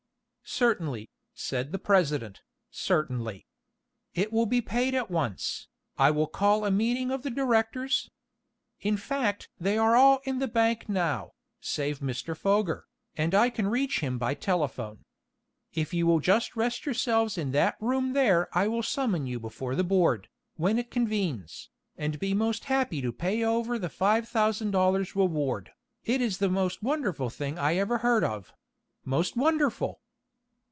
"Certainly," said the president, "certainly. It will be paid at once. I will call a meeting of the directors. In fact they are all in the bank now, save Mr. Foger, and I can reach him by telephone. If you will just rest yourselves in that room there I will summon you before the board, when it convenes, and be most happy to pay over the five thousand dollars reward. It is the most wonderful thing I ever heard of most wonderful!"